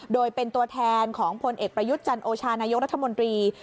โดยเป็นตัวแทนของพลเอกประยุทธ์จันโอชานายกรัฐมนตรี